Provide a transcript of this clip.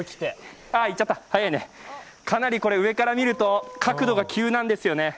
いっちゃった、早いね、かなり上から見ると角度が急なんですよね。